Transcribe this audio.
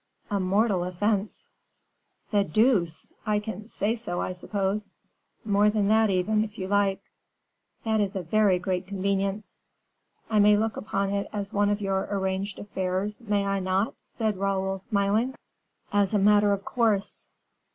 "A mortal offense." "The deuce! I can say so, I suppose?" "More than that, even, if you like." "That is a very great convenience." "I may look upon it as one of your arranged affairs, may I not?" said Raoul, smiling. "As a matter of course.